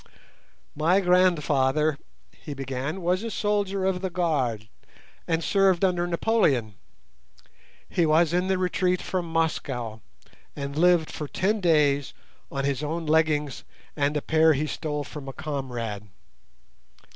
"My grandfather," he began, "was a soldier of the Guard, and served under Napoleon. He was in the retreat from Moscow, and lived for ten days on his own leggings and a pair he stole from a comrade.